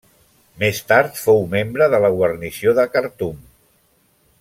Més tard fou membre de la guarnició de Khartum.